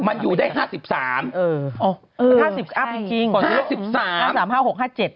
มันอยู่ได้๕๓บาทอัพจริง